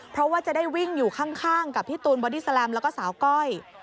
เพราะว่าจะได้วิ่งอยู่ข้างกับพี่ตูนบอดี้แลมแล้วก็สาวก้อย